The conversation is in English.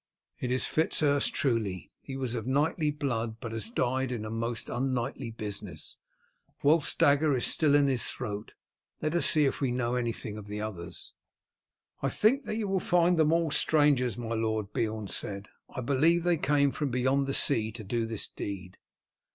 It is Fitz Urse truly. He was of knightly blood, but has died in a most unknightly business. Wulf's dagger is still in his throat. Let us see if we know anything of the others." "I think that you will find them all strangers, my lord," Beorn said. "I believe they came from beyond the sea to do this deed."